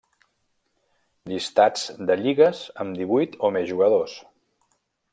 Llistats de lligues amb divuit o més jugadors.